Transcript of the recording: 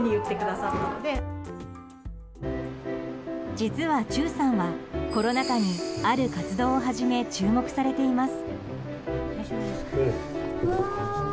実は忠さんはコロナ禍にある活動を始め注目されています。